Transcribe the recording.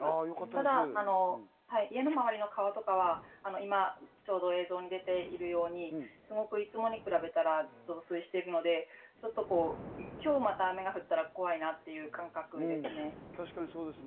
ただ家の周りの川とかは、今ちょうど映像に出ているようにいつもに比べたら増水しているので、ちょっと今日また雨が降ったら怖いなと言う感覚です。